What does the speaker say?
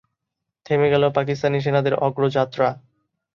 থেমে গেল পাকিস্তানি সেনাদের অগ্রযাত্রা।